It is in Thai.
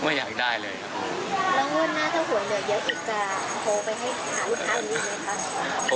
แล้วงวดหน้าเท่าหัวเหนือเดี๋ยวอีกจะโทรไปให้หาลูกค้านี้ไหมครับ